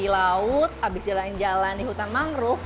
di laut abis jalan jalan di hutan mangrove